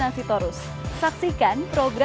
gak berjaya dia nanya